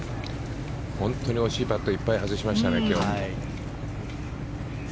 本当に惜しいパットをいっぱい外しましたね。